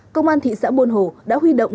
công an thị xã buôn hồ đã huy động